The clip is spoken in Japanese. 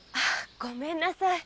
ごめんなさい。